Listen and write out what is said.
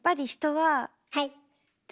はい。